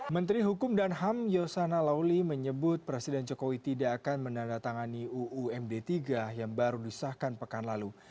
menteri hukum dan ham yosona lauli menyebut presiden jokowi tidak akan menandatangani uumd tiga yang baru disahkan pekan lalu